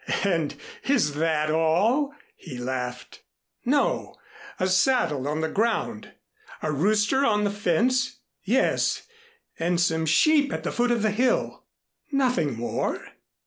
"And is that all?" he laughed. "No, a saddle on the ground, a rooster on the fence yes and some sheep at the foot of the hill." "Nothing more?"